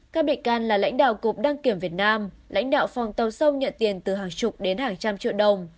các bị can là lãnh đạo cục đăng kiểm việt nam lãnh đạo phòng tàu sông nhận tiền từ hàng chục đến hàng trăm triệu đồng